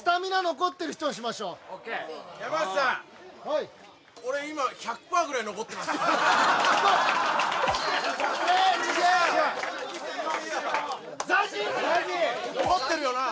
・残ってるよな？